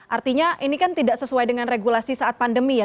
artinya ini kan tidak sesuai dengan regulasi saat pandemi ya